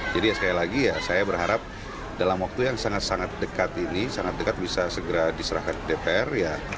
jadi sekali lagi saya berharap dalam waktu yang sangat sangat dekat ini sangat dekat bisa segera diserahkan ke dpr